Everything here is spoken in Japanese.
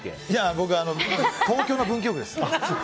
いや、僕東京の文京区です。